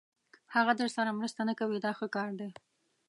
هغه درسره مرسته نه کوي دا ښه کار دی.